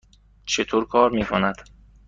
چطور کار می کند؟